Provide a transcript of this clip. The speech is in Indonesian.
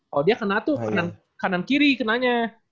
kalau dia kena tuh kanan kiri kenanya